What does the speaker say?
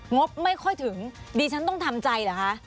งบไม่ค่อยถึงดิฉันต้องทำใจเหรอคะ